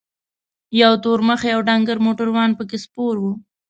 یو تور مخی او ډنګر موټروان پکې سپور و.